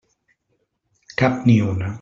Cap ni una.